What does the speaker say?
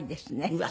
うわ。